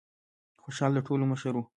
خوشال د ټولو مشر و.